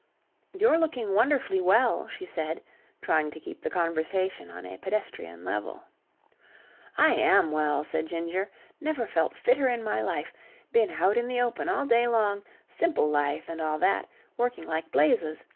"You're looking wonderfully well," she said trying to keep the conversation on a pedestrian level. "I am well," said Ginger. "Never felt fitter in my life. Been out in the open all day long... simple life and all that... working like blazes.